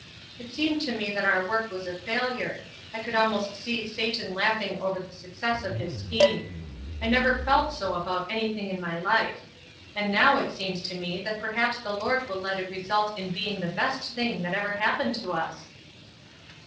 "It seemed to me that our work was a failure; I could almost see Satan laughing over the success of his scheme. I never felt so about anything in my life. And now it seems to me that perhaps the Lord will let it result in being the best thing that ever happened to us."